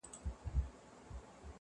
يمه دي غلام سترگي راواړوه.